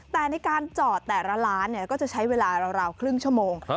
แต่ในการจอดแต่ละร้านก็จะใช้เวลาราวครึ่งชั่วโมง